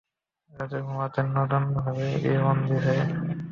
আবার রাতে ঘুমোতেন নতুনভাবে গৃহবন্দী হয়ে।